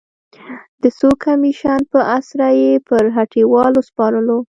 د څو کمېشن په اسره یې پر هټیوال وسپارلو.